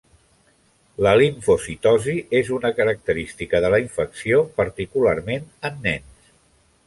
La limfocitosi és una característica de la infecció, particularment en nens.